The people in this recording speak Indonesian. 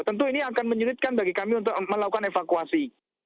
tentu ini akan menyulitkan bagi kami untuk melakukan evakuasi